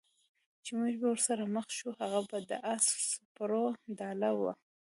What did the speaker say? چې موږ به ورسره مخ شو، هغه به د اس سپرو ډله وي.